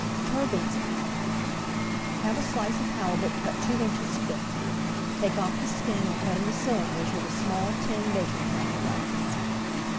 TURBANS OF HALIBUT Have a slice of halibut cut two inches thick. Take off the skin and cut into cylinders with a small tin baking powder box.